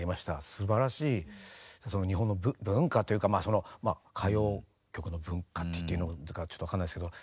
すばらしい日本の文化というかその歌謡曲の文化って言っていいのかちょっと分かんないですけど。